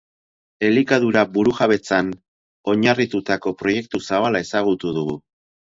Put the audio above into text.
Elikadura burujabetzan oinarritutako proiektu zabala ezagutu dugu.